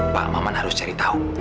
pak maman harus cari tahu